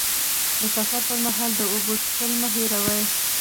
د سفر پر مهال د اوبو څښل مه هېروه.